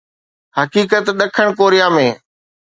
حقيقت ڏکڻ ڪوريا ۾.